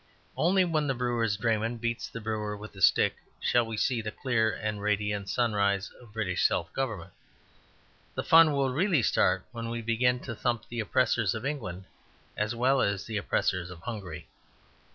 Only when the brewer's drayman beats the brewer with a stick shall we see the clear and radiant sunrise of British self government. The fun will really start when we begin to thump the oppressors of England as well as the oppressors of Hungary.